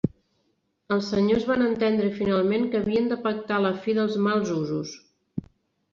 Els senyors van entendre finalment que havien de pactar la fi dels mals usos.